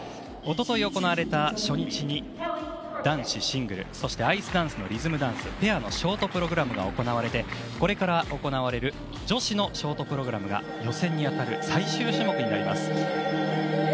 おととい行われた初日に男子シングルそしてアイスダンスのリズムダンスペアのショートプログラムが行われこれから行われる女子のショートプログラムが予選の最終種目です。